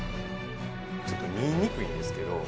ちょっと見えにくいんですけど。